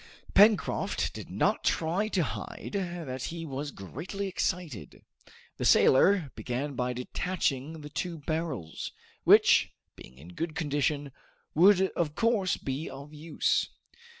Pencroft did not try to hide that he was greatly excited. The sailor began by detaching the two barrels, which, being in good condition, would of course be of use.